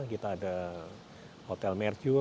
kita ada hotel merkur